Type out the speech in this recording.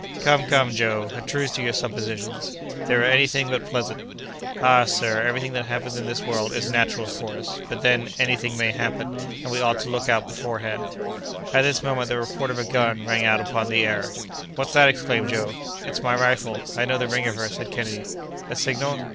"Come, come, Joe! a truce to your suppositions; they're any thing but pleasant." "Ah! sir, every thing that happens in this world is natural, of course; but, then, any thing may happen, and we ought to look out beforehand." At this moment the report of a gun rang out upon the air. "What's that?" exclaimed Joe. "It's my rifle, I know the ring of her!" said Kennedy. "A signal!"